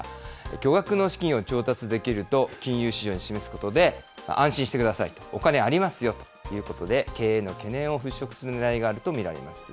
巨額の資金を調達できると金融市場に示すことで、安心してください、お金ありますよということで、経営への懸念を払拭するねらいがあると見られます。